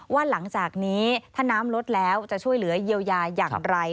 ว่าหลังจากนี้ถ้าน้ำลดแล้วจะช่วยเหลือเยียวยาอย่างไร